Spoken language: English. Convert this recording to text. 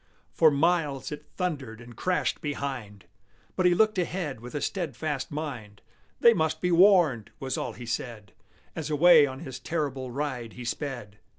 For miles it thundered and crashed behind, But he looked ahead with a steadfast mind: "They must be warned!" was all he said, As away on his terrible ride he sped.